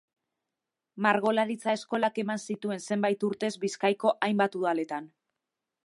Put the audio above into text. Margolaritza eskolak eman zituen zenbait urtez Bizkaiko hainbat Udaletan.